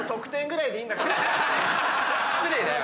失礼だよ